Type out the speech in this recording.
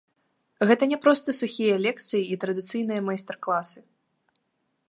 Гэта не проста сухія лекцыі і традыцыйныя майстар-класы.